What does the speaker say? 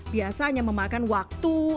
biasanya memakan waktu